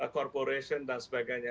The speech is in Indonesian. corporation dan sebagainya